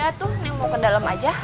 ya udah tuh neng mau ke dalem aja